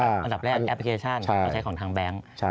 อันดับแรกแอปพลิเคชันมาใช้ของทางแบงค์